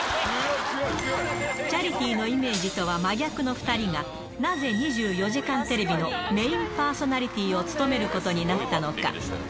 チャリティーのイメージとは真逆の２人が、なぜ２４時間テレビのメインパーソナリティーを務めることになったのか。